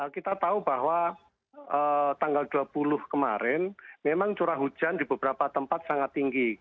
kita tahu bahwa tanggal dua puluh kemarin memang curah hujan di beberapa tempat sangat tinggi